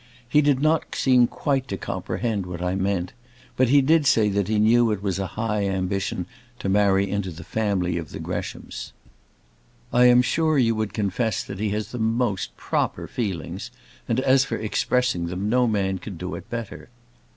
He did not seem quite to comprehend what I meant; but he did say that he knew it was a high ambition to marry into the family of the Greshams. I am sure you would confess that he has the most proper feelings; and as for expressing them no man could do it better.